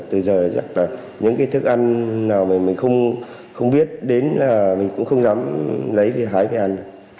từ giờ là những cái thức ăn nào mà mình không biết đến là mình cũng không dám lấy vì hái về ăn